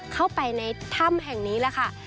เข้าไปในถ้ำแห่งนี้แหละค่ะ